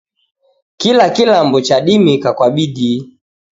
Kila kilambo chadimika kwa bidii